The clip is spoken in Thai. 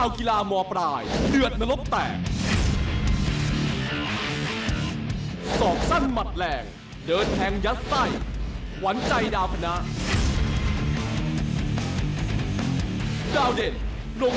เข้าในพิฆาตภัยย่านนักบูรณ์เพชร